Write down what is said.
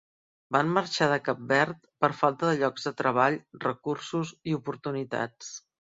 Van marxar de Cap Verd per falta de llocs de treball, recursos i oportunitats.